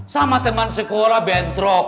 sama teman sekolah bentrok